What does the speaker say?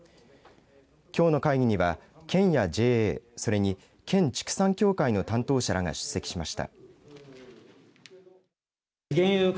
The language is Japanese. きょうの会議には県やＪＡそれに県畜産協会の担当者らが出席しました。